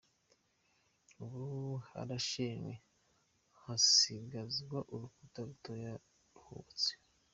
Ubu harashenywe hasigazwa uruhuta rutoya ruhubatse.